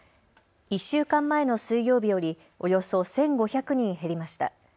１週間前の水曜日よりおよそ１５００人減りました。